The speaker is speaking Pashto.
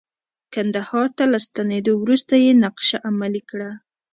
کندهار ته له ستنیدو وروسته یې نقشه عملي کړه.